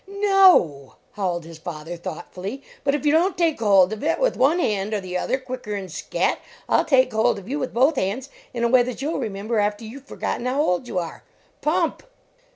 "No," howled his father, thoughtfully, "but if you don t take hold of it with one hand or the other quicker n scat I ll take hold of you with both hands in a way that you ll remember after you ve forgotten how old you are. PUMP!"